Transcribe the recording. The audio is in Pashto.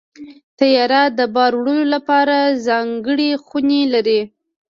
طیاره د بار وړلو لپاره ځانګړې خونې لري.